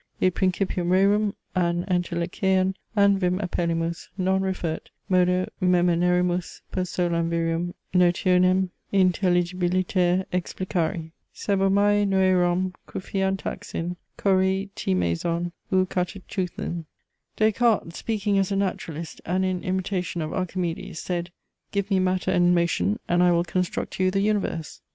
Id principium rerum, an entelecheian an vim appellemus, non refert, modo meminerimus, per solam Virium notionem intelligibiliter explicari." Sebomai noeron Kruphian taxin Chorei TI MESON Ou katachuthen. Des Cartes, speaking as a naturalist, and in imitation of Archimedes, said, give me matter and motion and I will construct you the universe.